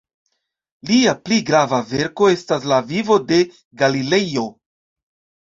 Lia pli grava verko estas "La vivo de Galilejo".